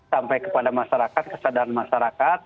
sampai kepada masyarakat kesadaran masyarakat